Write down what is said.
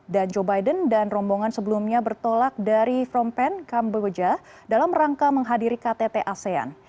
dan joe biden dan rombongan sebelumnya bertolak dari from penn kamboja dalam rangka menghadiri ktt asean